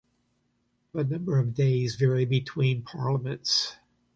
The number of days varies between parliaments.